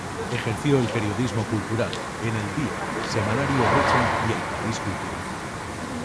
Ejerció el periodismo cultural en El Día, Semanario Brecha y El País Cultural.